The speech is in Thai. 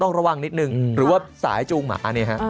ระวังนิดนึงหรือว่าสายจูงหมาเนี่ยฮะ